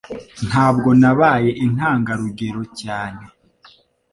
Ntabwo nabaye intangarugero cyane